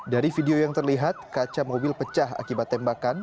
dari video yang terlihat kaca mobil pecah akibat tembakan